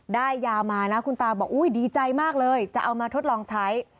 ได้ยามานะคุณตาบอกอุ้ยดีใจมากเลยจะเอามาทดลองใช้